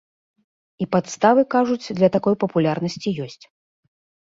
І падставы, кажуць, для такой папулярнасці ёсць.